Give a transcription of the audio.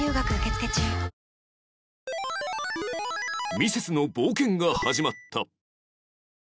ミセスの冒険が始まった